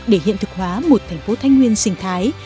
để hiện thực hóa một thành phố thanh nguyên sinh thái